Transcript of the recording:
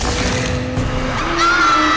suara itu kan